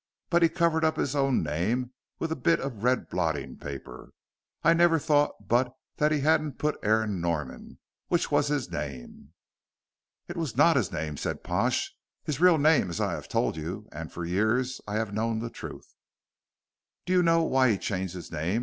But he covered up his own name with a bit of red blotting paper. I never thought but that he hadn't put Aaron Norman, which was his name." "It was not his name," said Pash. "His real name I have told you, and for years I have known the truth." "Do you know why he changed his name?"